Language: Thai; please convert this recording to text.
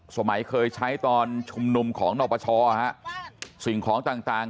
เคยใช้ตอนชุมนุมของนปชสิ่งของต่างต่าง